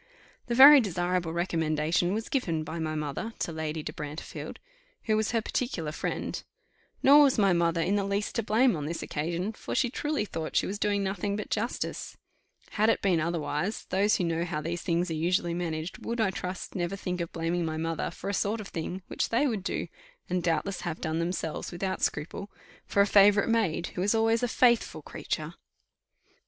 The very desirable recommendation was given by my mother to Lady de Brantefield, who was her particular friend; nor was my mother in the least to blame on this occasion, for she truly thought she was doing nothing but justice; had it been otherwise, those who know how these things are usually managed, would, I trust, never think of blaming my mother for a sort of thing which they would do, and doubtless have done themselves without scruple, for a favourite maid, who is always a faithful creature.